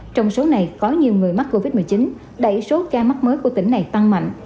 trong số này có nhiều người mắc covid một mươi chín đẩy số ca mắc mới của tỉnh này tăng mạnh